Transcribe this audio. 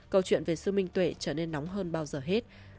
câu chuyện về sự minh tuệ trở nên nóng hơn bao giờ hết